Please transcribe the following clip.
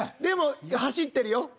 でも走ってるよ。